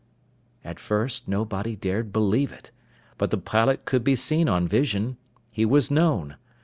At first, nobody dared believe it. But the pilot could be seen on vision. He was known.